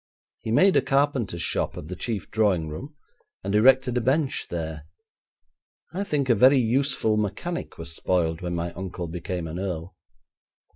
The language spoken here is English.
He made a carpenter's shop of the chief drawing room and erected a bench there. I think a very useful mechanic was spoiled when my uncle became an earl.'